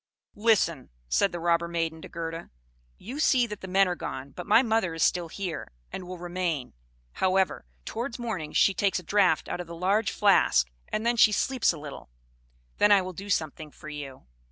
"Listen," said the robber maiden to Gerda. "You see that the men are gone; but my mother is still here, and will remain. However, towards morning she takes a draught out of the large flask, and then she sleeps a little: then I will do something for you."